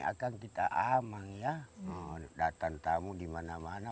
akan kita aman ya datang tamu di mana mana